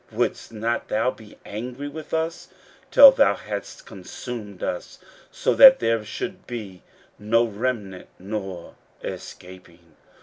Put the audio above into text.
wouldest not thou be angry with us till thou hadst consumed us, so that there should be no remnant nor escaping?